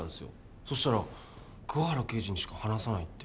「そしたら桑原刑事にしか話さないって」